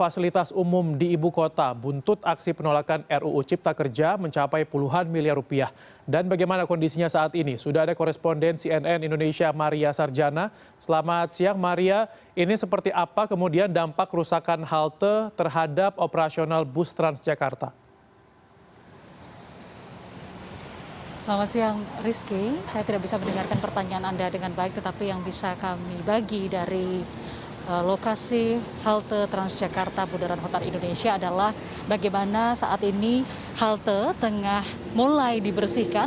selamat siang rizky saya tidak bisa mendengarkan pertanyaan anda dengan baik tetapi yang bisa kami bagi dari lokasi halte transjakarta bundaran hotel indonesia adalah bagaimana saat ini halte tengah mulai dibersihkan